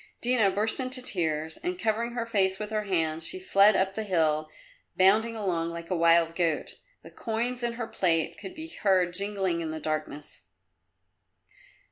Dina burst into tears and, covering her face with her hands, she fled up the hill, bounding along like a wild goat. The coins in her plait could be heard jingling in the darkness.